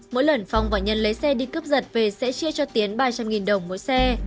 mỗi lần phong và nhân lấy xe đi cướp giật về sẽ chia cho tiến ba trăm linh đồng mỗi xe